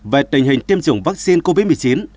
về tình hình tiêm chủng vaccine covid một mươi chín